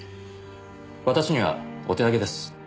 私にはお手上げです。